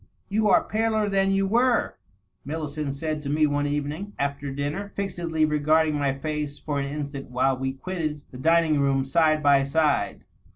" You are paler than you were,^^ Millicent said to me one evening, B&er dinner, fixedly regarding my face for an instant while we quitted the dining room side by side.